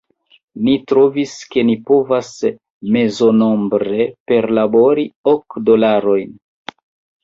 Ni trovis, ke ni povas mezonombre perlabori ok dolarojn.